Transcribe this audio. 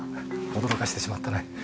驚かしてしまったね。